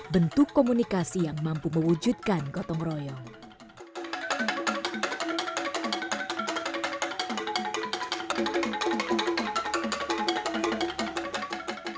bentuk komunikasi yang mampu mewujudkan gotong royong